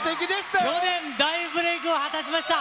去年大ブレークを果たしました、